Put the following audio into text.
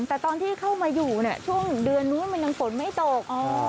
แต่ตอนที่เข้ามาอยู่เนี่ยช่วงเดือนนู้นมันยังฝนไม่ตก